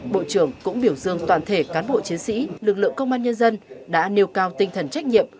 bộ trưởng cũng biểu dương toàn thể cán bộ chiến sĩ lực lượng công an nhân dân đã nêu cao tinh thần trách nhiệm